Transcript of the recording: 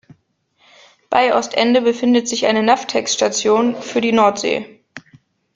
Bei Ostende befindet sich eine Navtex-Station für die Nordsee.